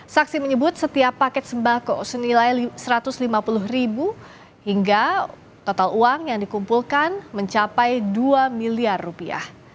saksi menyebut setiap paket sembako senilai satu ratus lima puluh ribu hingga total uang yang dikumpulkan mencapai dua miliar rupiah